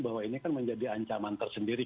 bahwa ini kan menjadi ancaman tersendiri